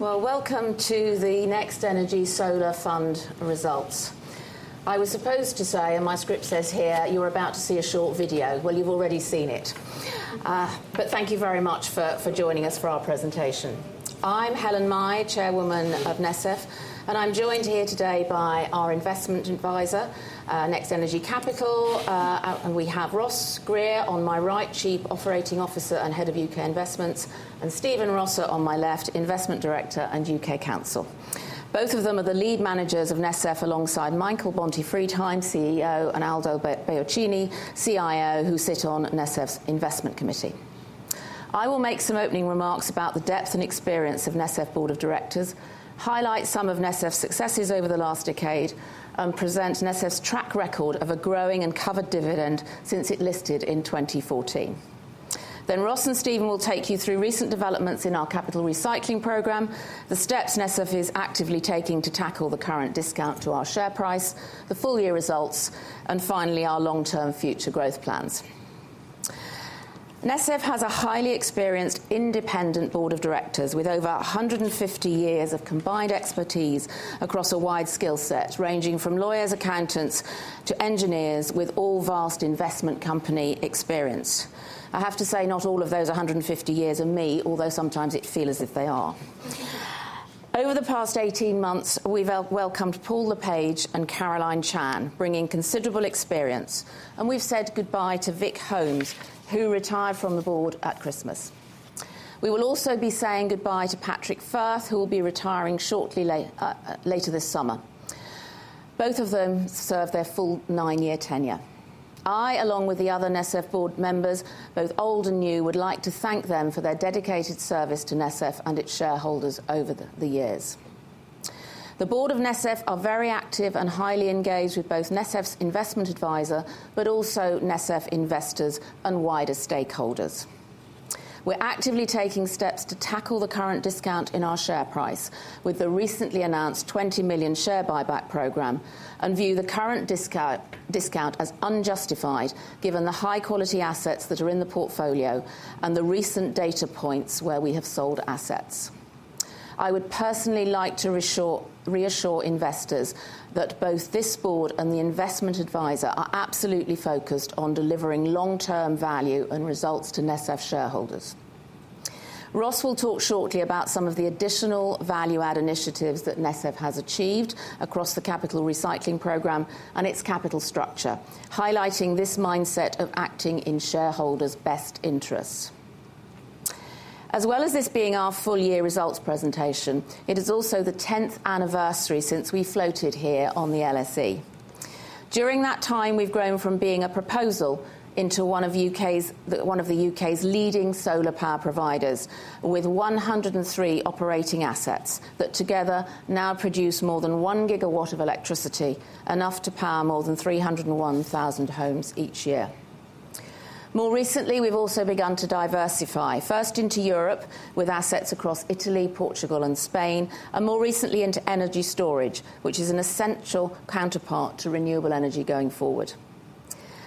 Well, welcome to the NextEnergy Solar Fund results. I was supposed to say, and my script says here, you're about to see a short video. Well, you've already seen it. But thank you very much for joining us for our presentation. I'm Helen Mahy, Chairwoman of NESF, and I'm joined here today by our investment advisor, NextEnergy Capital. We have Ross Grier on my right, Chief Operating Officer and Head of U.K. Investments, and Stephen Rosser on my left, Investment Director and U.K. Legal Counsel. Both of them are the lead managers of NESF alongside Michael Bonte-Friedheim, CEO, and Aldo Beolchini, CIO, who sit on NESF's Investment Committee. I will make some opening remarks about the depth and experience of NESF Board of Directors, highlight some of NESF's successes over the last decade, and present NESF's track record of a growing and covered dividend since it listed in 2014. Then Ross and Stephen will take you through recent developments in our capital recycling program, the steps NESF is actively taking to tackle the current discount to our share price, the full year results, and finally our long-term future growth plans. NESF has a highly experienced independent Board of Directors with over 150 years of combined expertise across a wide skill set, ranging from lawyers, accountants, to engineers with all vast investment company experience. I have to say, not all of those 150 years are me, although sometimes it feels as if they are. Over the past 18 months, we've welcomed Paul Le Page and Caroline Chan, bringing considerable experience, and we've said goodbye to Vic Holmes, who retired from the board at Christmas. We will also be saying goodbye to Patrick Firth, who will be retiring shortly later this summer. Both of them serve their full 9-year tenure. I, along with the other NESF board members, both old and new, would like to thank them for their dedicated service to NESF and its shareholders over the years. The board of NESF are very active and highly engaged with both NESF's investment advisor, but also NESF investors and wider stakeholders. We're actively taking steps to tackle the current discount in our share price with the recently announced 20 million share buyback program and view the current discount as unjustified given the high-quality assets that are in the portfolio and the recent data points where we have sold assets. I would personally like to reassure investors that both this board and the investment advisor are absolutely focused on delivering long-term value and results to NESF shareholders. Ross will talk shortly about some of the additional value-add initiatives that NESF has achieved across the capital recycling program and its capital structure, highlighting this mindset of acting in shareholders' best interests. As well as this being our full year results presentation, it is also the 10th anniversary since we floated here on the LSE. During that time, we've grown from being a proposal into one of the U.K.'s leading solar power providers with 103 operating assets that together now produce more than 1 GW of electricity, enough to power more than 301,000 homes each year. More recently, we've also begun to diversify, first into Europe with assets across Italy, Portugal, and Spain, and more recently into energy storage, which is an essential counterpart to renewable energy going forward.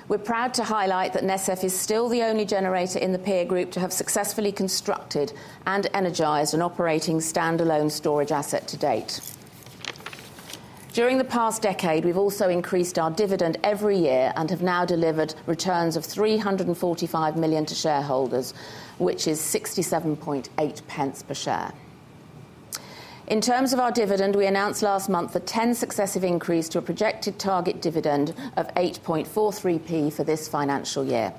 We're proud to highlight that NESF is still the only generator in the peer group to have successfully constructed and energized an operating standalone storage asset to date. During the past decade, we've also increased our dividend every year and have now delivered returns of 345 million to shareholders, which is 0.678 per share. In terms of our dividend, we announced last month the 10th successive increase to a projected target dividend of 0.0843 for this financial year.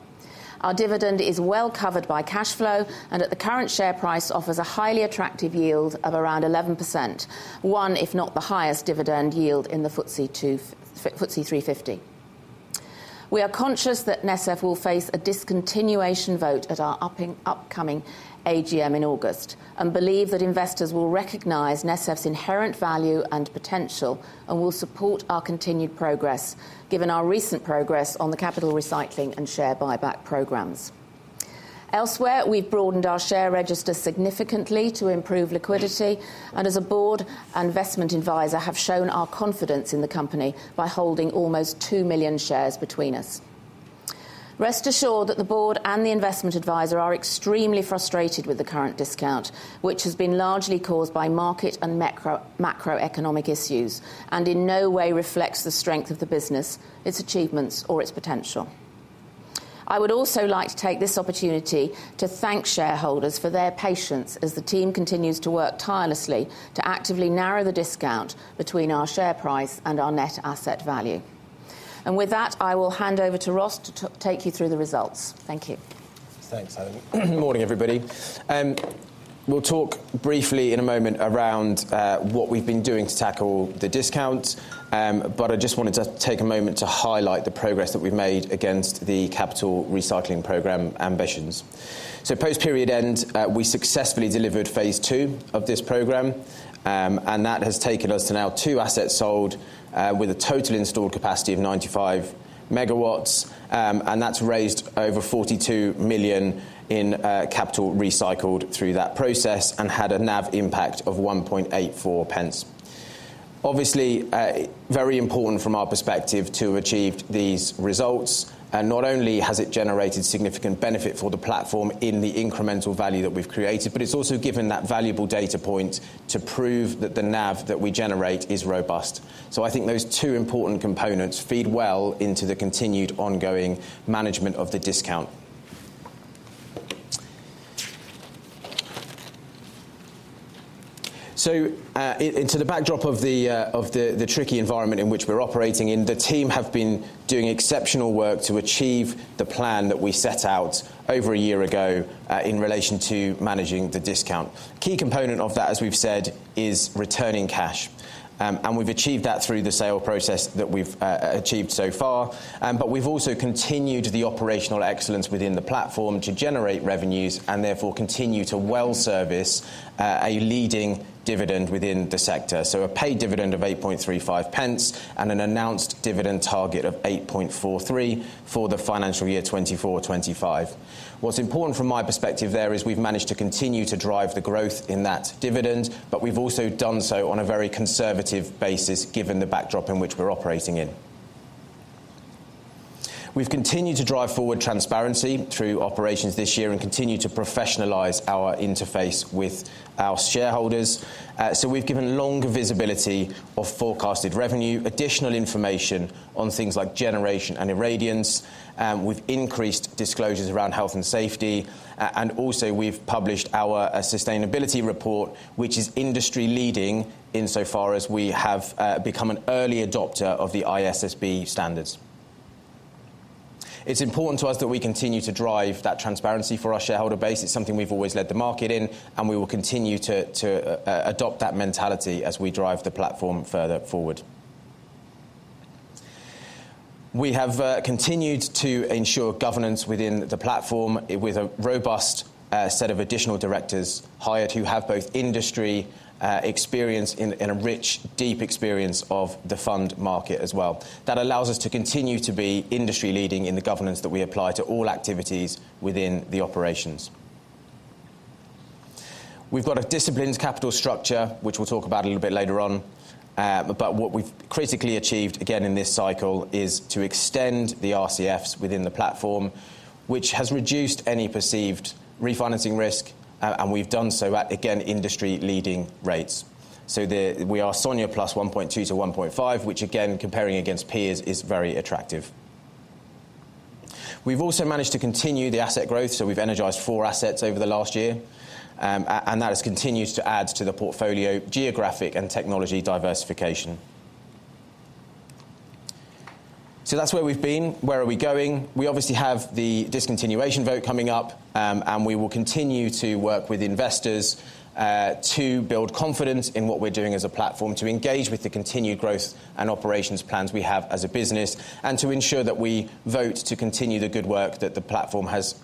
Our dividend is well covered by cash flow and at the current share price offers a highly attractive yield of around 11%, one, if not the highest dividend yield in the FTSE 350. We are conscious that NESF will face a discontinuation vote at our upcoming AGM in August and believe that investors will recognize NESF's inherent value and potential and will support our continued progress given our recent progress on the capital recycling and share buyback programs. Elsewhere, we've broadened our share register significantly to improve liquidity, and as a board and investment advisor, have shown our confidence in the company by holding almost 2 million shares between us. Rest assured that the board and the investment advisor are extremely frustrated with the current discount, which has been largely caused by market and macroeconomic issues and in no way reflects the strength of the business, its achievements, or its potential. I would also like to take this opportunity to thank shareholders for their patience as the team continues to work tirelessly to actively narrow the discount between our share price and our Net Asset Value. With that, I will hand over to Ross to take you through the results. Thank you. Thanks, Helen. Morning, everybody. We'll talk briefly in a moment around what we've been doing to tackle the discounts, but I just wanted to take a moment to highlight the progress that we've made against the capital recycling program ambitions. So post-period end, we successfully delivered phase two of this program, and that has taken us to now 2 assets sold with a total installed capacity of 95 MW, and that's raised over 42 million in capital recycled through that process and had a NAV impact of 1.84 pence. Obviously, very important from our perspective to have achieved these results. Not only has it generated significant benefit for the platform in the incremental value that we've created, but it's also given that valuable data point to prove that the NAV that we generate is robust. So I think those two important components feed well into the continued ongoing management of the discount. So into the backdrop of the tricky environment in which we're operating in, the team have been doing exceptional work to achieve the plan that we set out over a year ago in relation to managing the discount. Key component of that, as we've said, is returning cash, and we've achieved that through the sale process that we've achieved so far, but we've also continued the operational excellence within the platform to generate revenues and therefore continue to well service a leading dividend within the sector. So a paid dividend of 8.35 pence and an announced dividend target of 8.43 for the financial year 2024-2025. What's important from my perspective there is we've managed to continue to drive the growth in that dividend, but we've also done so on a very conservative basis given the backdrop in which we're operating in. We've continued to drive forward transparency through operations this year and continue to professionalize our interface with our shareholders. So we've given longer visibility of forecasted revenue, additional information on things like generation and irradiance, and we've increased disclosures around health and safety, and also we've published our sustainability report, which is industry leading insofar as we have become an early adopter of the ISSB standards. It's important to us that we continue to drive that transparency for our shareholder base. It's something we've always led the market in, and we will continue to adopt that mentality as we drive the platform further forward. We have continued to ensure governance within the platform with a robust set of additional directors hired who have both industry experience and a rich, deep experience of the fund market as well. That allows us to continue to be industry leading in the governance that we apply to all activities within the operations. We've got a disciplined capital structure, which we'll talk about a little bit later on, but what we've critically achieved again in this cycle is to extend the RCFs within the platform, which has reduced any perceived refinancing risk, and we've done so at, again, industry leading rates. So we are SONIA plus 1.2-1.5, which again, comparing against peers, is very attractive. We've also managed to continue the asset growth, so we've energized 4 assets over the last year, and that has continued to add to the portfolio geographic and technology diversification. So that's where we've been. Where are we going? We obviously have the discontinuation vote coming up, and we will continue to work with investors to build confidence in what we're doing as a platform, to engage with the continued growth and operations plans we have as a business, and to ensure that we vote to continue the good work that the platform has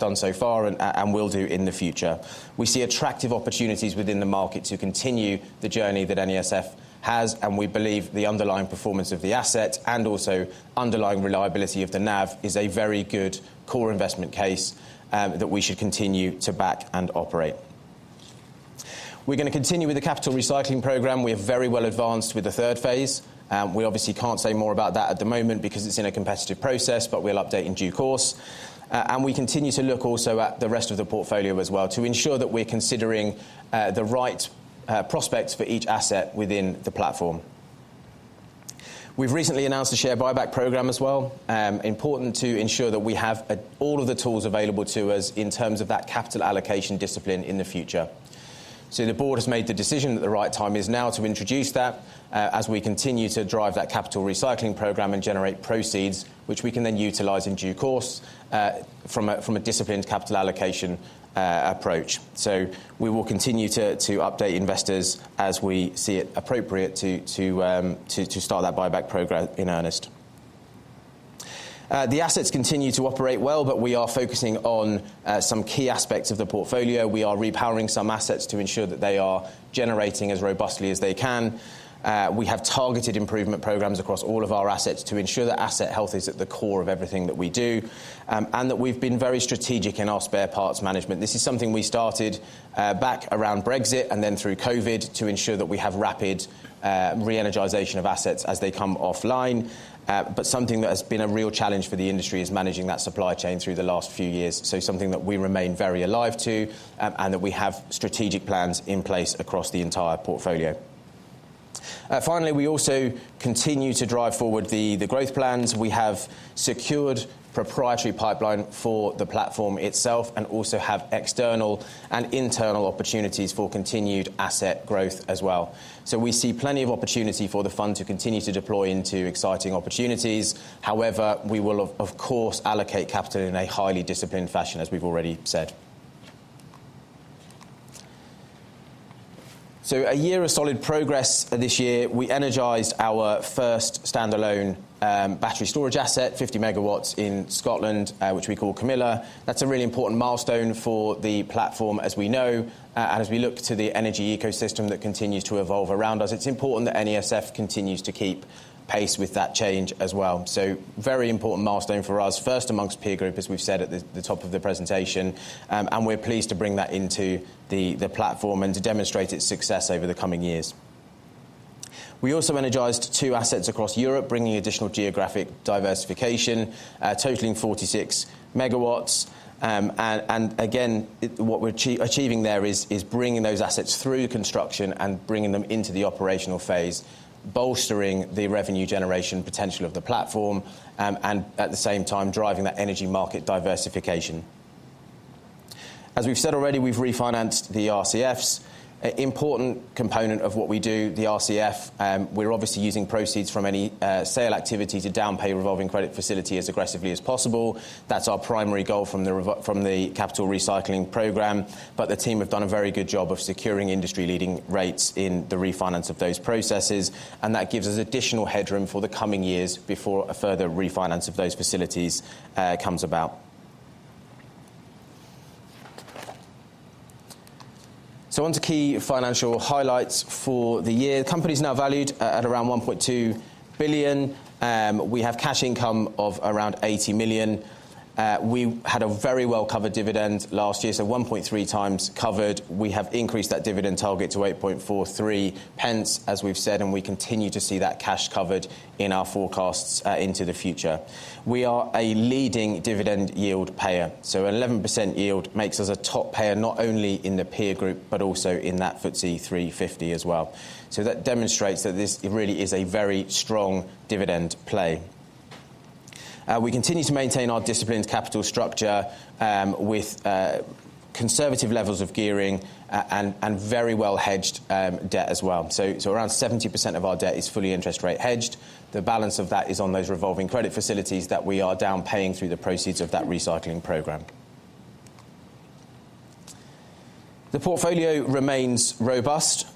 done so far and will do in the future. We see attractive opportunities within the market to continue the journey that NESF has, and we believe the underlying performance of the asset and also underlying reliability of the NAV is a very good core investment case that we should continue to back and operate. We're going to continue with the capital recycling program. We have very well advanced with the third phase. We obviously can't say more about that at the moment because it's in a competitive process, but we'll update in due course. We continue to look also at the rest of the portfolio as well to ensure that we're considering the right prospects for each asset within the platform. We've recently announced the share buyback program as well. Important to ensure that we have all of the tools available to us in terms of that capital allocation discipline in the future. So the board has made the decision that the right time is now to introduce that as we continue to drive that capital recycling program and generate proceeds, which we can then utilize in due course from a disciplined capital allocation approach. So we will continue to update investors as we see it appropriate to start that buyback program in earnest. The assets continue to operate well, but we are focusing on some key aspects of the portfolio. We are repowering some assets to ensure that they are generating as robustly as they can. We have targeted improvement programs across all of our assets to ensure that asset health is at the core of everything that we do and that we've been very strategic in our spare parts management. This is something we started back around Brexit and then through COVID to ensure that we have rapid reenergization of assets as they come offline. But something that has been a real challenge for the industry is managing that supply chain through the last few years. So something that we remain very alive to and that we have strategic plans in place across the entire portfolio. Finally, we also continue to drive forward the growth plans. We have secured proprietary pipeline for the platform itself and also have external and internal opportunities for continued asset growth as well. So we see plenty of opportunity for the fund to continue to deploy into exciting opportunities. However, we will, of course, allocate capital in a highly disciplined fashion, as we've already said. So a year of solid progress this year. We energized our first standalone battery storage asset, 50 MW in Scotland, which we call Camilla. That's a really important milestone for the platform, as we know, and as we look to the energy ecosystem that continues to evolve around us, it's important that NESF continues to keep pace with that change as well. Very important milestone for us, first amongst peer group, as we've said at the top of the presentation, and we're pleased to bring that into the platform and to demonstrate its success over the coming years. We also energized two assets across Europe, bringing additional geographic diversification, totaling 46 MW. Again, what we're achieving there is bringing those assets through construction and bringing them into the operational phase, bolstering the revenue generation potential of the platform and at the same time driving that energy market diversification. As we've said already, we've refinanced the RCFs. An important component of what we do, the RCF, we're obviously using proceeds from any sale activity to pay down revolving credit facility as aggressively as possible. That's our primary goal from the capital recycling program, but the team have done a very good job of securing industry leading rates in the refinance of those processes, and that gives us additional headroom for the coming years before a further refinance of those facilities comes about. So on to key financial highlights for the year. The company is now valued at around 1.2 billion. We have cash income of around 80 million. We had a very well covered dividend last year, so 1.3x covered. We have increased that dividend target to 8.43 pence, as we've said, and we continue to see that cash covered in our forecasts into the future. We are a leading dividend yield payer. So an 11% yield makes us a top payer, not only in the peer group, but also in that FTSE 350 as well. So that demonstrates that this really is a very strong dividend play. We continue to maintain our disciplined capital structure with conservative levels of gearing and very well hedged debt as well. So around 70% of our debt is fully interest rate hedged. The balance of that is on those revolving credit facilities that we are repaying through the proceeds of that recycling program. The portfolio remains robust.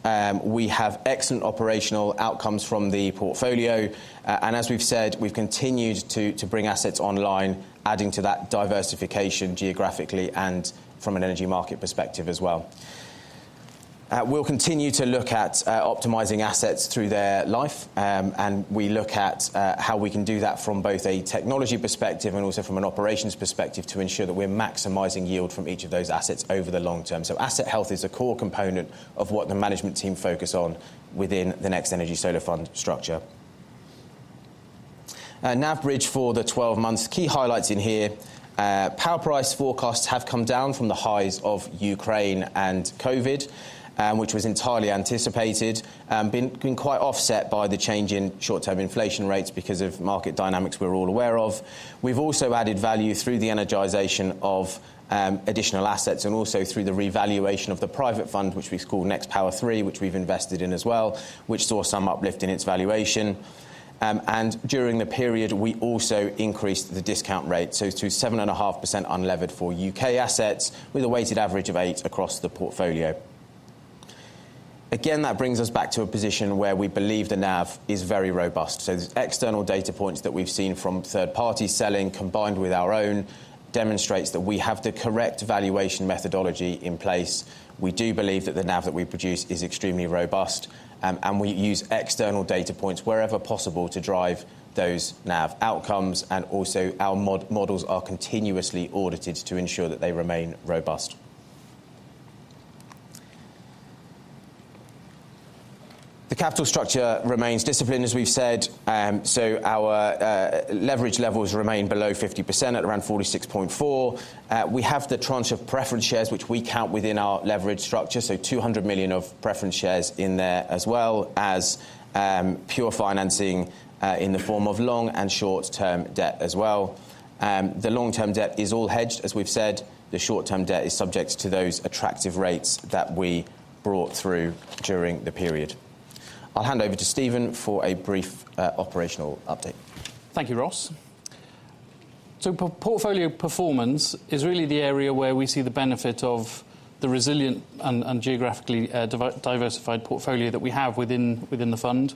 We have excellent operational outcomes from the portfolio, and as we've said, we've continued to bring assets online, adding to that diversification geographically and from an energy market perspective as well. We'll continue to look at optimizing assets through their life, and we look at how we can do that from both a technology perspective and also from an operations perspective to ensure that we're maximizing yield from each of those assets over the long term. So asset health is a core component of what the management team focus on within the NextEnergy Solar Fund structure. Now, bridge for the 12 months. Key highlights in here. Power price forecasts have come down from the highs of Ukraine and COVID, which was entirely anticipated and been quite offset by the change in short-term inflation rates because of market dynamics we're all aware of. We've also added value through the energization of additional assets and also through the revaluation of the private fund, which we call NextPower III, which we've invested in as well, which saw some uplift in its valuation. And during the period, we also increased the discount rate, so to 7.5% unlevered for U.K. assets with a weighted average of 8% across the portfolio. Again, that brings us back to a position where we believe the NAV is very robust. So the external data points that we've seen from third-party selling combined with our own demonstrates that we have the correct valuation methodology in place. We do believe that the NAV that we produce is extremely robust, and we use external data points wherever possible to drive those NAV outcomes. Also our models are continuously audited to ensure that they remain robust. The capital structure remains disciplined, as we've said. So our leverage levels remain below 50% at around 46.4%. We have the tranche of preference shares, which we count within our leverage structure, so 200 million of preference shares in there as well as pure financing in the form of long- and short-term debt as well. The long-term debt is all hedged, as we've said. The short-term debt is subject to those attractive rates that we brought through during the period. I'll hand over to Stephen for a brief operational update. Thank you, Ross. So portfolio performance is really the area where we see the benefit of the resilient and geographically diversified portfolio that we have within the fund,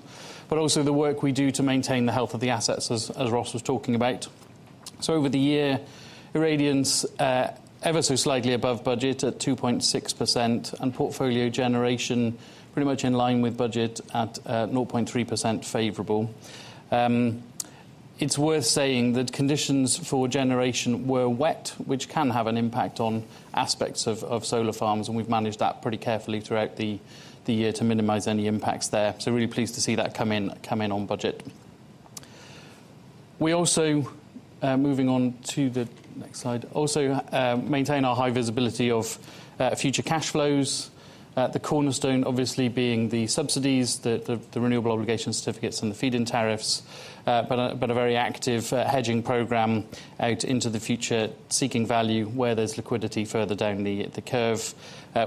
but also the work we do to maintain the health of the assets, as Ross was talking about. So over the year, irradiance ever so slightly above budget at 2.6% and portfolio generation pretty much in line with budget at 0.3% favorable. It's worth saying that conditions for generation were wet, which can have an impact on aspects of solar farms, and we've managed that pretty carefully throughout the year to minimize any impacts there. So really pleased to see that come in on budget. We also, moving on to the next slide, also maintain our high visibility of future cash flows, the cornerstone obviously being the subsidies, the Renewable Obligation Certificates, and the Feed-in Tariffs, but a very active hedging program out into the future, seeking value where there's liquidity further down the curve,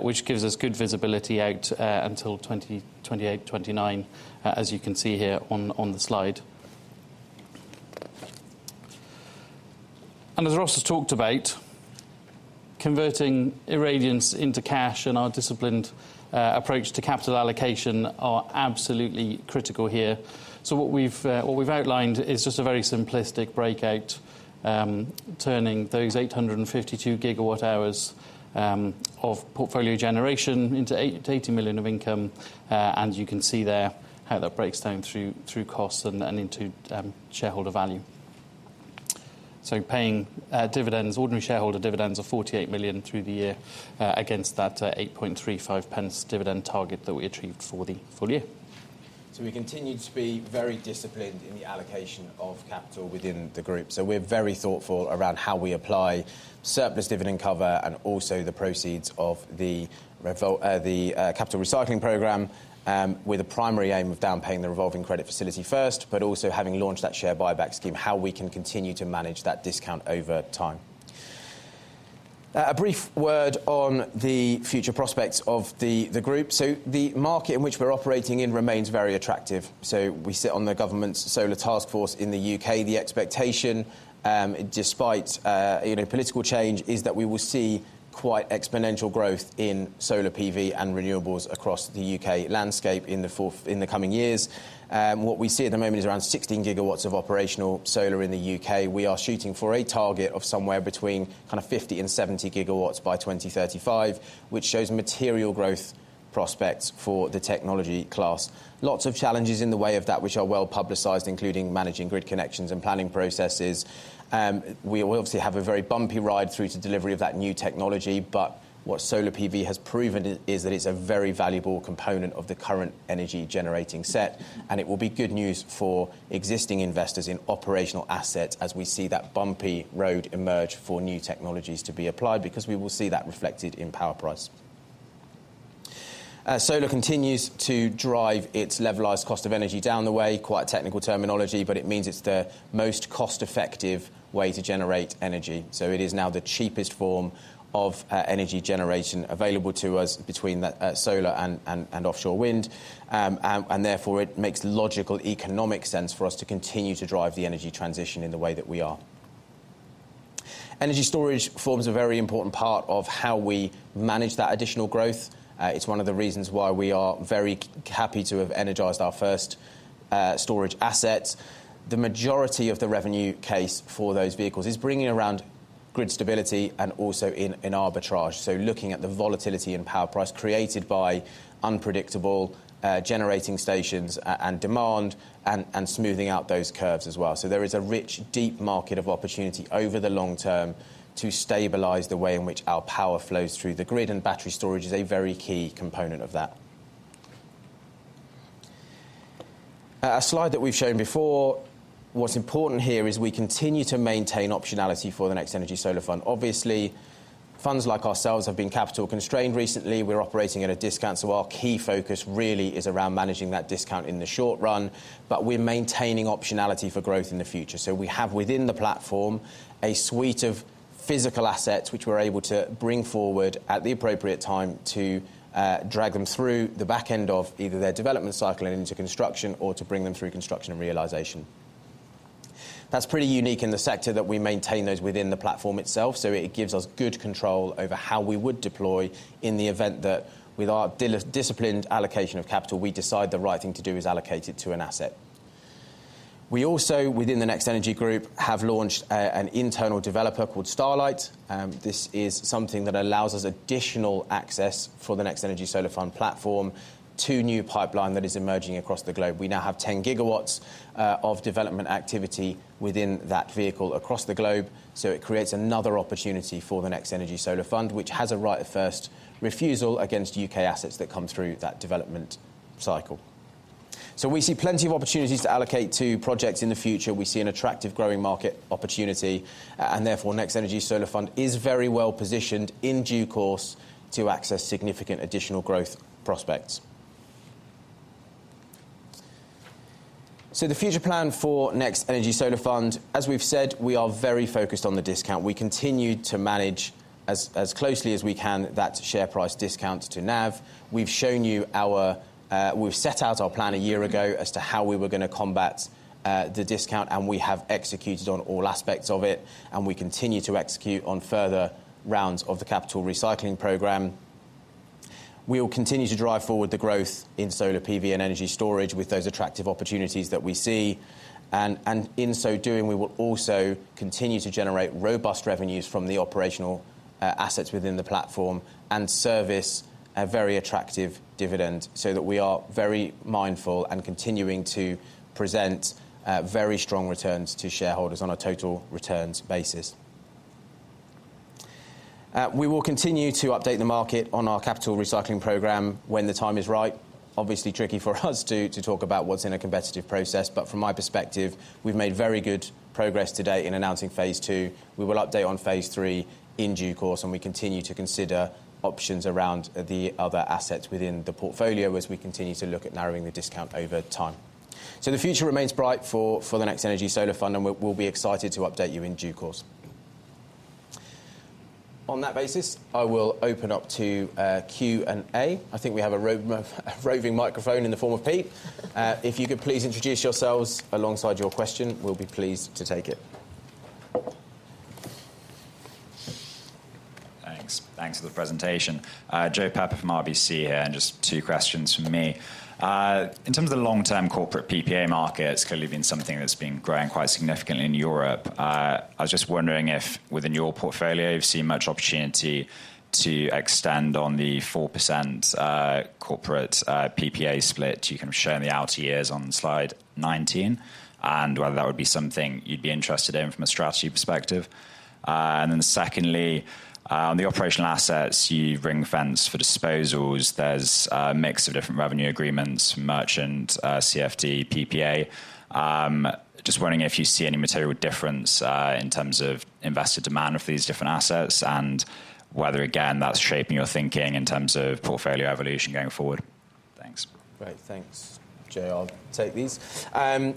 which gives us good visibility out until 2028-2029, as you can see here on the slide. And as Ross has talked about, converting irradiance into cash and our disciplined approach to capital allocation are absolutely critical here. So what we've outlined is just a very simplistic breakout, turning those 852 GWh of portfolio generation into 80 million of income. And you can see there how that breaks down through costs and into shareholder value. So paying dividends, ordinary shareholder dividends of 48 million through the year against that 8.35 pence dividend target that we achieved for the full year. So we continue to be very disciplined in the allocation of capital within the group. So we're very thoughtful around how we apply surplus dividend cover and also the proceeds of the capital recycling program with a primary aim of downpaying the revolving credit facility first, but also having launched that share buyback scheme, how we can continue to manage that discount over time. A brief word on the future prospects of the group. So the market in which we're operating in remains very attractive. So we sit on the government's Solar Taskforce in the U.K. The expectation, despite political change, is that we will see quite exponential growth in solar PV and renewables across the U.K. landscape in the coming years. What we see at the moment is around 16 GW of operational solar in the U.K. We are shooting for a target of somewhere between kind of 50 GW and 70 GW by 2035, which shows material growth prospects for the technology class. Lots of challenges in the way of that, which are well publicized, including managing grid connections and planning processes. We obviously have a very bumpy ride through to delivery of that new technology, but what Solar PV has proven is that it's a very valuable component of the current energy generating set, and it will be good news for existing investors in operational assets as we see that bumpy road emerge for new technologies to be applied because we will see that reflected in power price. Solar continues to drive its levelized cost of energy down the way. Quite technical terminology, but it means it's the most cost-effective way to generate energy. So it is now the cheapest form of energy generation available to us between solar and offshore wind, and therefore it makes logical economic sense for us to continue to drive the energy transition in the way that we are. Energy storage forms a very important part of how we manage that additional growth. It's one of the reasons why we are very happy to have energized our first storage assets. The majority of the revenue case for those vehicles is bringing around grid stability and also in arbitrage. So looking at the volatility in power price created by unpredictable generating stations and demand and smoothing out those curves as well. So there is a rich, deep market of opportunity over the long term to stabilize the way in which our power flows through the grid, and battery storage is a very key component of that. A slide that we've shown before. What's important here is we continue to maintain optionality for the NextEnergy Solar Fund. Obviously, funds like ourselves have been capital constrained recently. We're operating at a discount, so our key focus really is around managing that discount in the short run, but we're maintaining optionality for growth in the future. So we have within the platform a suite of physical assets which we're able to bring forward at the appropriate time to drag them through the back end of either their development cycle and into construction or to bring them through construction and realization. That's pretty unique in the sector that we maintain those within the platform itself, so it gives us good control over how we would deploy in the event that with our disciplined allocation of capital, we decide the right thing to do is allocate it to an asset. We also, within the NextEnergy Group, have launched an internal developer called Starlight. This is something that allows us additional access for the NextEnergy Solar Fund platform to a new pipeline that is emerging across the globe. We now have 10 GW of development activity within that vehicle across the globe, so it creates another opportunity for the NextEnergy Solar Fund, which has a right of first refusal against U.K. assets that come through that development cycle. So we see plenty of opportunities to allocate to projects in the future. We see an attractive growing market opportunity, and therefore NextEnergy Solar Fund is very well positioned in due course to access significant additional growth prospects. So the future plan for NextEnergy Solar Fund, as we've said, we are very focused on the discount. We continue to manage as closely as we can that share price discount to NAV. We've shown you we've set out our plan a year ago as to how we were going to combat the discount, and we have executed on all aspects of it, and we continue to execute on further rounds of the capital recycling program. We will continue to drive forward the growth in solar PV and energy storage with those attractive opportunities that we see. In so doing, we will also continue to generate robust revenues from the operational assets within the platform and service a very attractive dividend so that we are very mindful and continuing to present very strong returns to shareholders on a total returns basis. We will continue to update the market on our capital recycling program when the time is right. Obviously, tricky for us to talk about what's in a competitive process, but from my perspective, we've made very good progress today in announcing phase two. We will update on phase three in due course, and we continue to consider options around the other assets within the portfolio as we continue to look at narrowing the discount over time. The future remains bright for the NextEnergy Solar Fund, and we'll be excited to update you in due course. On that basis, I will open up to Q&A. I think we have a roving microphone in the form of Pete. If you could please introduce yourselves alongside your question, we'll be pleased to take it. Thanks. Thanks for the presentation. Joe Pepper from RBC here, and just two questions from me. In terms of the long-term corporate PPA market, it's clearly been something that's been growing quite significantly in Europe. I was just wondering if within your portfolio, you've seen much opportunity to extend on the 4% corporate PPA split you can show in the outer years on slide 19, and whether that would be something you'd be interested in from a strategy perspective. And then secondly, on the operational assets, you ring fence for disposals. There's a mix of different revenue agreements, merchant, CFD, PPA. Just wondering if you see any material difference in terms of investor demand for these different assets and whether, again, that's shaping your thinking in terms of portfolio evolution going forward? Thanks. Great. Thanks, Joe. I'll take these.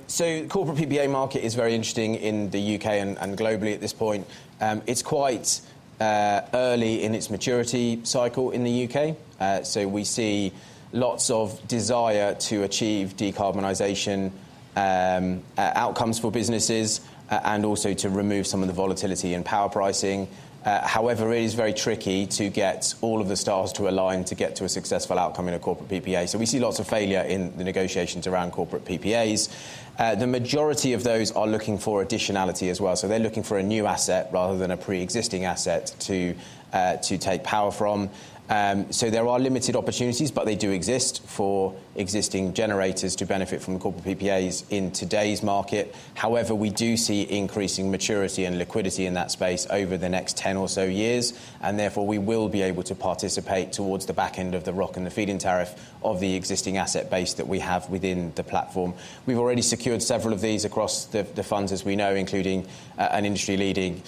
So the corporate PPA market is very interesting in the U.K. and globally at this point. It's quite early in its maturity cycle in the U.K. So we see lots of desire to achieve decarbonization outcomes for businesses and also to remove some of the volatility in power pricing. However, it is very tricky to get all of the stars to align to get to a successful outcome in a corporate PPA. So we see lots of failure in the negotiations around corporate PPAs. The majority of those are looking for additionality as well. So they're looking for a new asset rather than a pre-existing asset to take power from. So there are limited opportunities, but they do exist for existing generators to benefit from corporate PPAs in today's market. However, we do see increasing maturity and liquidity in that space over the next 10 or so years, and therefore we will be able to participate towards the back end of the ROC and the feed-in tariff of the existing asset base that we have within the platform. We've already secured several of these across the funds, as we know, including an industry-leading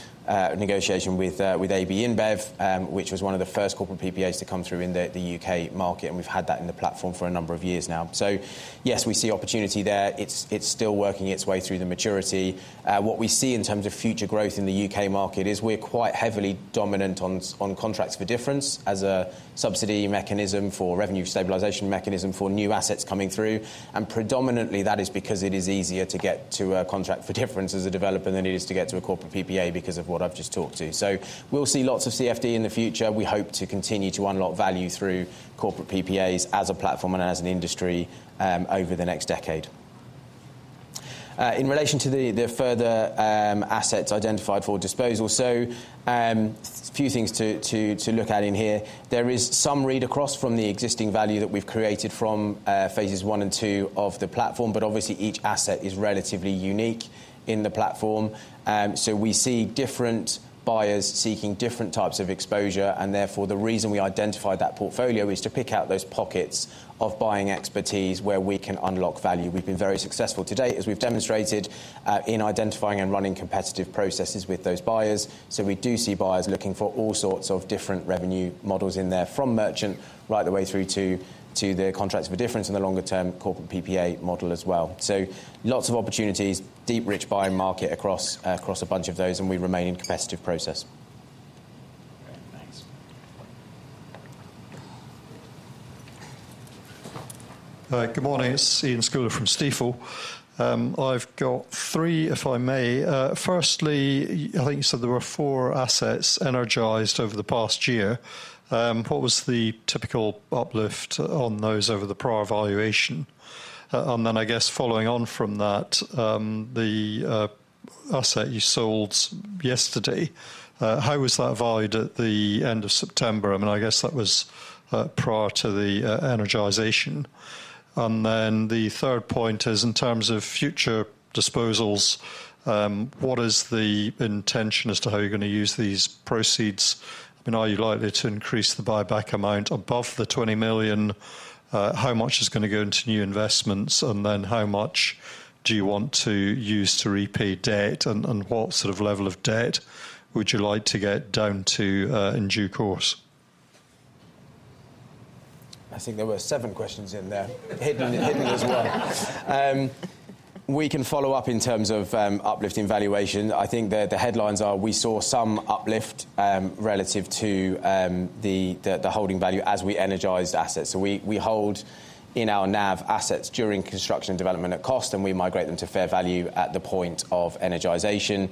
negotiation with AB InBev, which was one of the first corporate PPAs to come through in the U.K. market, and we've had that in the platform for a number of years now. So yes, we see opportunity there. It's still working its way through the maturity. What we see in terms of future growth in the U.K. market is we're quite heavily dominant on Contracts for Difference as a subsidy mechanism for revenue stabilization mechanism for new assets coming through. Predominantly, that is because it is easier to get to a Contract for Difference as a developer than it is to get to a corporate PPA because of what I've just talked to. So we'll see lots of CFD in the future. We hope to continue to unlock value through corporate PPAs as a platform and as an industry over the next decade. In relation to the further assets identified for disposal, so a few things to look at in here. There is some read across from the existing value that we've created from phases one and two of the platform, but obviously each asset is relatively unique in the platform. So we see different buyers seeking different types of exposure, and therefore the reason we identified that portfolio is to pick out those pockets of buying expertise where we can unlock value. We've been very successful today, as we've demonstrated in identifying and running competitive processes with those buyers. So we do see buyers looking for all sorts of different revenue models in there from merchant right the way through to the Contracts for Difference and the longer-term corporate PPA model as well. So lots of opportunities, deep, rich buying market across a bunch of those, and we remain in a competitive process. Thanks. Good morning. It's Iain Scouller from Stifel. I've got three, if I may. Firstly, I think you said there were four assets energized over the past year. What was the typical uplift on those over the prior valuation? And then I guess following on from that, the asset you sold yesterday, how was that valued at the end of September? I mean, I guess that was prior to the energization. And then the third point is in terms of future disposals, what is the intention as to how you're going to use these proceeds? I mean, are you likely to increase the buyback amount above the 20 million? How much is going to go into new investments, and then how much do you want to use to repay debt, and what sort of level of debt would you like to get down to in due course? I think there were seven questions in there. Hidden as well. We can follow up in terms of uplifting valuation. I think the headlines are we saw some uplift relative to the holding value as we energized assets. So we hold in our NAV assets during construction and development at cost, and we migrate them to fair value at the point of energization.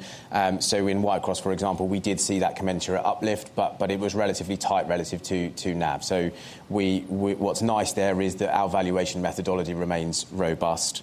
So in Whitecross, for example, we did see that commensurate uplift, but it was relatively tight relative to NAV. So what's nice there is that our valuation methodology remains robust.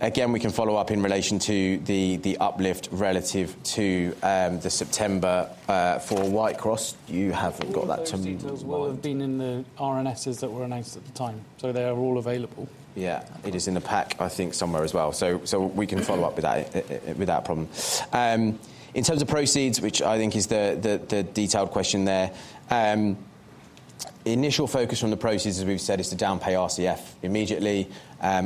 Again, we can follow up in relation to the uplift relative to the September for Whitecross. You haven't got that to me. Those will have been in the RNSs that were announced at the time, so they are all available? Yeah, it is in the pack, I think, somewhere as well. So we can follow up with that promptly. In terms of proceeds, which I think is the detailed question there, initial focus on the proceeds, as we've said, is to pay down RCF immediately.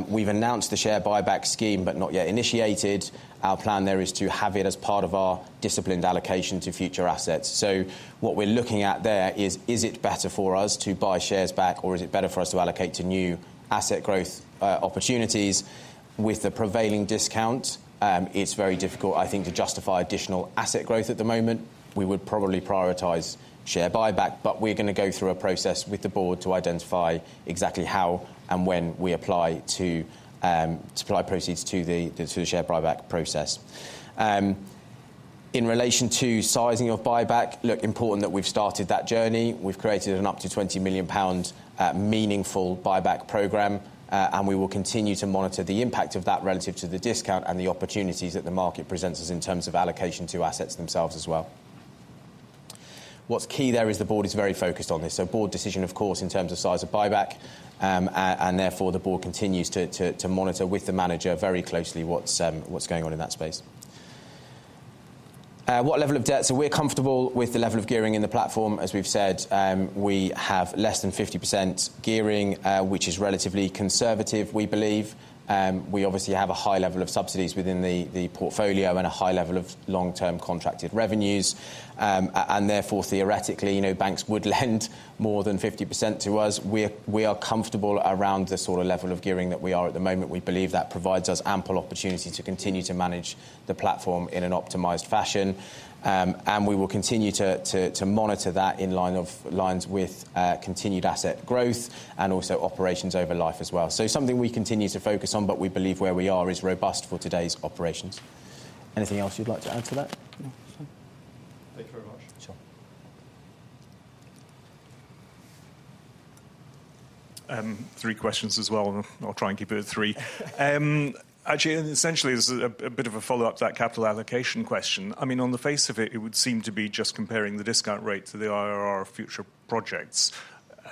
We've announced the share buyback scheme, but not yet initiated. Our plan there is to have it as part of our disciplined allocation to future assets. So what we're looking at there is, is it better for us to buy shares back, or is it better for us to allocate to new asset growth opportunities? With the prevailing discount, it's very difficult, I think, to justify additional asset growth at the moment. We would probably prioritize share buyback, but we're going to go through a process with the board to identify exactly how and when we apply to supply proceeds to the share buyback process. In relation to sizing of buyback, look, important that we've started that journey. We've created an up to 20 million pound meaningful buyback program, and we will continue to monitor the impact of that relative to the discount and the opportunities that the market presents us in terms of allocation to assets themselves as well. What's key there is the board is very focused on this. So board decision, of course, in terms of size of buyback, and therefore the board continues to monitor with the manager very closely what's going on in that space. What level of debt? So we're comfortable with the level of gearing in the platform. As we've said, we have less than 50% gearing, which is relatively conservative, we believe. We obviously have a high level of subsidies within the portfolio and a high level of long-term contracted revenues. And therefore, theoretically, banks would lend more than 50% to us. We are comfortable around the sort of level of gearing that we are at the moment. We believe that provides us ample opportunity to continue to manage the platform in an optimized fashion. And we will continue to monitor that in line with continued asset growth and also operations over life as well. So something we continue to focus on, but we believe where we are is robust for today's operations. Anything else you'd like to add to that? Thank you very much. Sure. Three questions as well. I'll try and keep it at three. Actually, essentially, this is a bit of a follow-up to that capital allocation question. I mean, on the face of it, it would seem to be just comparing the discount rate to the IRR of future projects.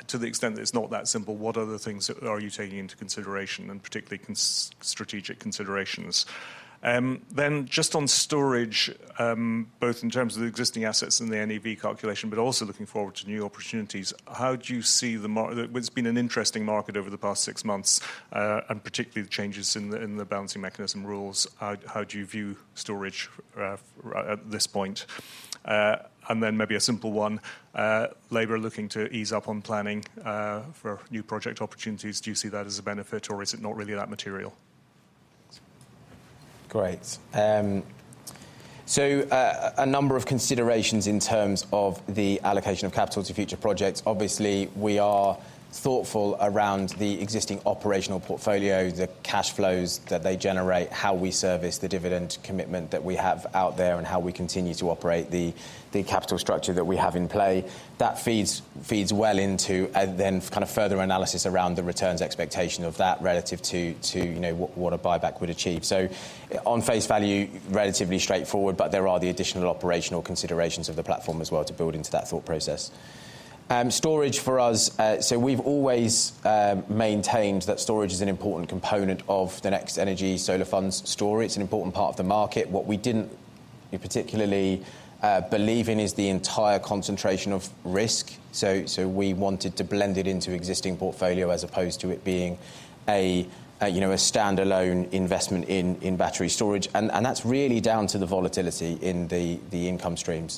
To the extent that it's not that simple, what other things are you taking into consideration and particularly strategic considerations? Then just on storage, both in terms of the existing assets and the NAV calculation, but also looking forward to new opportunities, how do you see the market? It's been an interesting market over the past six months, and particularly the changes in the Balancing Mechanism rules. How do you view storage at this point? And then maybe a simple one, Labour looking to ease up on planning for new project opportunities. Do you see that as a benefit, or is it not really that material? Great. So a number of considerations in terms of the allocation of capital to future projects. Obviously, we are thoughtful around the existing operational portfolio, the cash flows that they generate, how we service the dividend commitment that we have out there, and how we continue to operate the capital structure that we have in play. That feeds well into then kind of further analysis around the returns expectation of that relative to what a buyback would achieve. So on face value, relatively straightforward, but there are the additional operational considerations of the platform as well to build into that thought process. Storage for us, so we've always maintained that storage is an important component of the NextEnergy Solar Fund's storage. It's an important part of the market. What we didn't particularly believe in is the entire concentration of risk. So we wanted to blend it into existing portfolio as opposed to it being a standalone investment in battery storage. That's really down to the volatility in the income streams.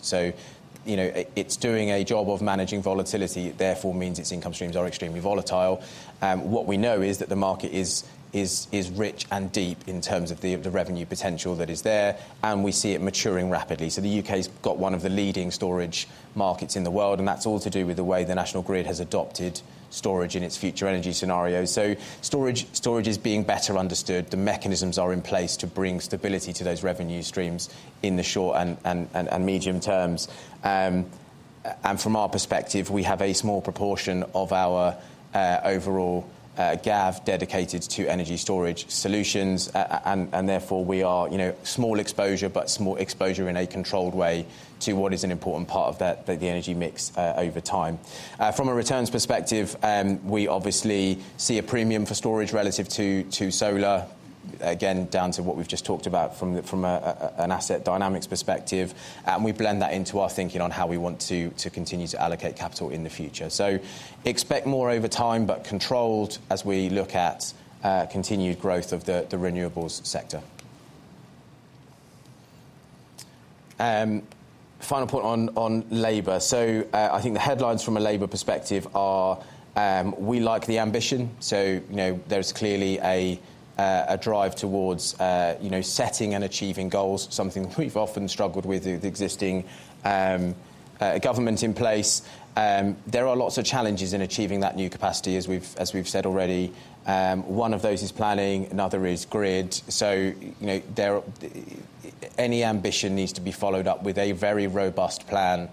It's doing a job of managing volatility. Therefore, it means its income streams are extremely volatile. What we know is that the market is rich and deep in terms of the revenue potential that is there, and we see it maturing rapidly. The U.K. has got one of the leading storage markets in the world, and that's all to do with the way the National Grid has adopted storage in its future energy scenarios. Storage is being better understood. The mechanisms are in place to bring stability to those revenue streams in the short and medium terms. From our perspective, we have a small proportion of our overall GAV dedicated to energy storage solutions, and therefore we are small exposure, but small exposure in a controlled way to what is an important part of the energy mix over time. From a returns perspective, we obviously see a premium for storage relative to solar, again, down to what we've just talked about from an asset dynamics perspective. We blend that into our thinking on how we want to continue to allocate capital in the future. Expect more over time, but controlled as we look at continued growth of the renewables sector. Final point on Labour. I think the headlines from a Labour perspective are we like the ambition. There's clearly a drive towards setting and achieving goals, something we've often struggled with with the existing government in place. There are lots of challenges in achieving that new capacity, as we've said already. One of those is planning. Another is grid. So any ambition needs to be followed up with a very robust plan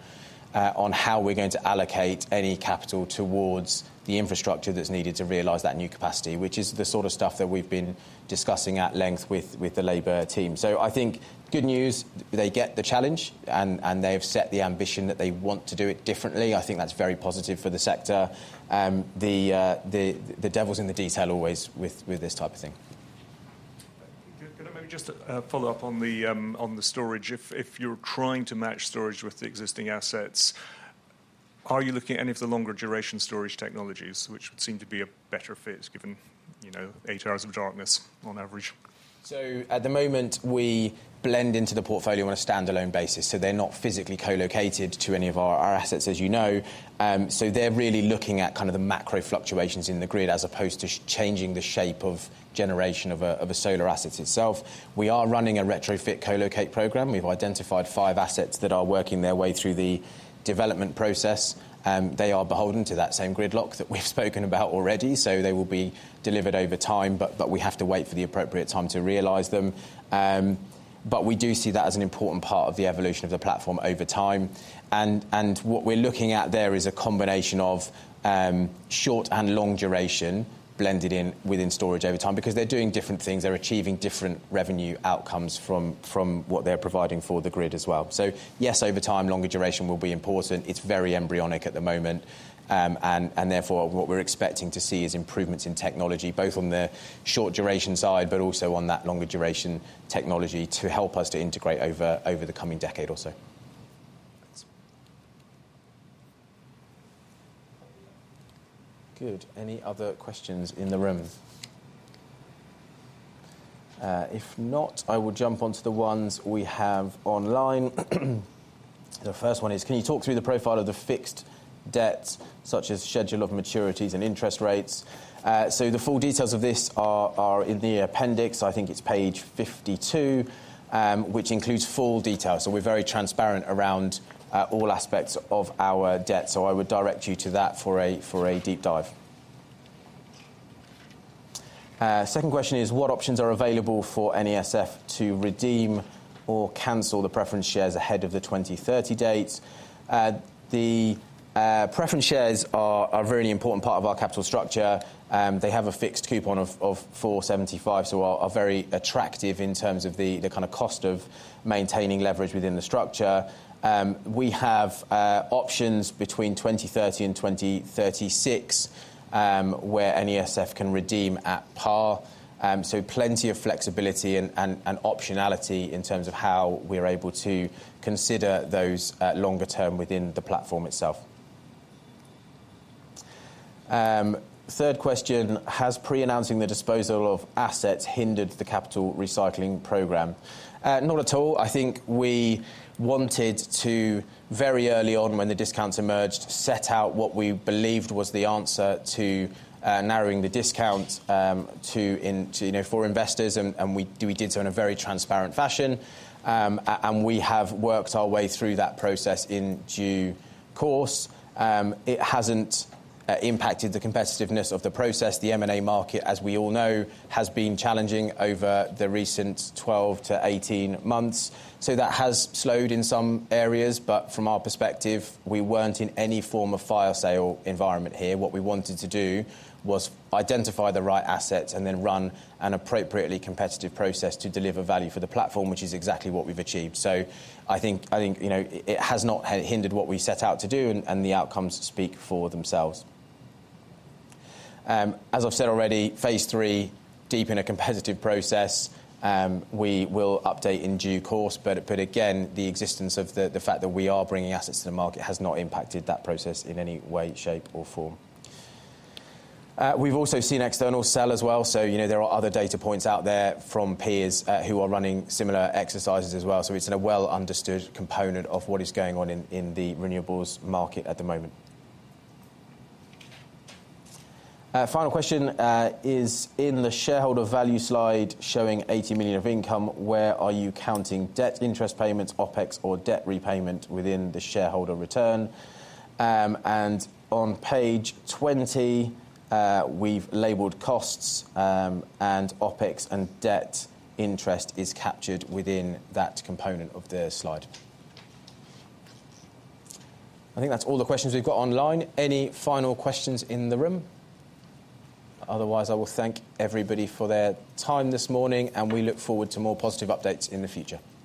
on how we're going to allocate any capital towards the infrastructure that's needed to realize that new capacity, which is the sort of stuff that we've been discussing at length with the labor team. So I think good news, they get the challenge, and they have set the ambition that they want to do it differently. I think that's very positive for the sector. The devil's in the detail always with this type of thing. Can I maybe just follow up on the storage? If you're trying to match storage with the existing assets, are you looking at any of the longer duration storage technologies, which would seem to be a better fit given eight hours of darkness on average? So at the moment, we blend into the portfolio on a standalone basis. So they're not physically co-located to any of our assets, as you know. So they're really looking at kind of the macro fluctuations in the grid as opposed to changing the shape of generation of a solar asset itself. We are running a retrofit co-locate program. We've identified five assets that are working their way through the development process. They are beholden to that same gridlock that we've spoken about already. So they will be delivered over time, but we have to wait for the appropriate time to realize them. But we do see that as an important part of the evolution of the platform over time. And what we're looking at there is a combination of short and long duration blended in within storage over time because they're doing different things. They're achieving different revenue outcomes from what they're providing for the grid as well. So yes, over time, longer duration will be important. It's very embryonic at the moment. And therefore, what we're expecting to see is improvements in technology, both on the short duration side, but also on that longer duration technology to help us to integrate over the coming decade or so. Good. Any other questions in the room? If not, I will jump onto the ones we have online. The first one is, can you talk through the profile of the fixed debts, such as schedule of maturities and interest rates? So the full details of this are in the appendix. I think it's page 52, which includes full detail. So we're very transparent around all aspects of our debt. So I would direct you to that for a deep dive. Second question is, what options are available for NESF to redeem or cancel the preference shares ahead of the 2030 date? The preference shares are a really important part of our capital structure. They have a fixed coupon of 475, so are very attractive in terms of the kind of cost of maintaining leverage within the structure. We have options between 2030 and 2036 where NESF can redeem at par. So plenty of flexibility and optionality in terms of how we're able to consider those longer term within the platform itself. Third question, has pre-announcing the disposal of assets hindered the capital recycling program? Not at all. I think we wanted to, very early on when the discounts emerged, set out what we believed was the answer to narrowing the discount for investors, and we did so in a very transparent fashion. We have worked our way through that process in due course. It hasn't impacted the competitiveness of the process. The M&A market, as we all know, has been challenging over the recent 12-18 months. That has slowed in some areas, but from our perspective, we weren't in any form of fire sale environment here. What we wanted to do was identify the right assets and then run an appropriately competitive process to deliver value for the platform, which is exactly what we've achieved. I think it has not hindered what we set out to do, and the outcomes speak for themselves. As I've said already, phase 3, deep in a competitive process, we will update in due course. But again, the existence of the fact that we are bringing assets to the market has not impacted that process in any way, shape, or form. We've also seen external sell as well. So there are other data points out there from peers who are running similar exercises as well. So it's a well-understood component of what is going on in the renewables market at the moment. Final question is, in the shareholder value slide showing 80 million of income, where are you counting debt interest payments, OpEx, or debt repayment within the shareholder return? And on page 20, we've labeled costs and OpEx, and debt interest is captured within that component of the slide. I think that's all the questions we've got online. Any final questions in the room? Otherwise, I will thank everybody for their time this morning, and we look forward to more positive updates in the future. Thank you.